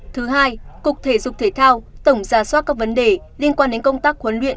thứ hai cục thể dục thể thao tổng ra soát các vấn đề liên quan đến công tác huấn luyện